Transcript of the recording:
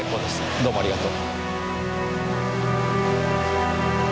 どうもありがとう。